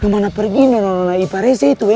kemana pergi nih nongol nongol iparese itu eh